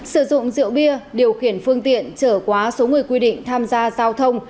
sử dụng rượu bia điều khiển phương tiện trở quá số người quy định tham gia giao thông